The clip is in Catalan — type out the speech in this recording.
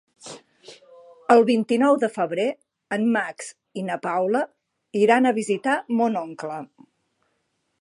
El vint-i-nou de febrer en Max i na Paula iran a visitar mon oncle.